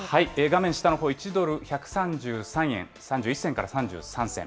画面下のほう、１ドル１３３円３１銭から３３銭。